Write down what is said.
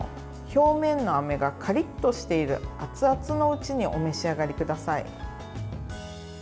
表面のあめがカリッとしている熱々のうちにお召し上がりください。